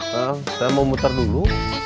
saya mau muter dulu